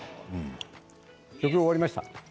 曲が終わりました。